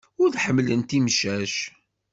Ur ḥemmlent imcac.